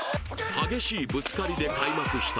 激しいぶつかりで開幕した